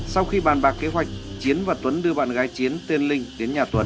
sau khi bàn bạc kế hoạch chiến và tuấn đưa bạn gái chiến tên linh đến nhà tuấn